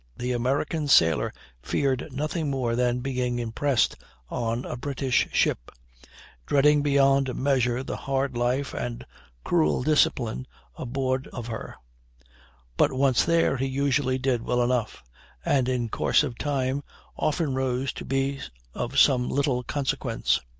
The American sailor feared nothing more than being impressed on a British ship dreading beyond measure the hard life and cruel discipline aboard of her; but once there, he usually did well enough, and in course of time often rose to be of some little consequence.